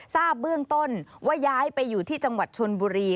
ทราบเบื้องต้นว่าย้ายไปอยู่ที่จังหวัดชนบุรี